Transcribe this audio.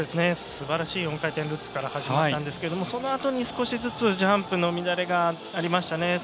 すばらしい４回転ルッツから始まったんですけれどもそのあとに少しずつジャンプの乱れがありましたね。